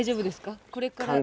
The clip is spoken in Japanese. これから。